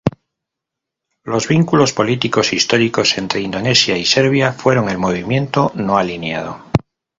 Los vínculos políticos históricos entre Indonesia y Serbia fueron el Movimiento No Alineado.